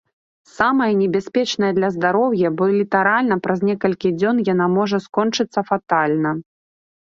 Самая небяспечная для здароўя, бо літаральна праз некалькі дзён яна можа скончыцца фатальна.